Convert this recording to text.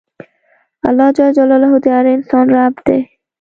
اللهﷻ د هر انسان رب دی.